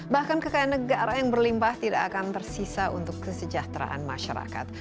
bahkan kekayaan negara yang berlimpah tidak akan tersisa untuk kesejahteraan masyarakat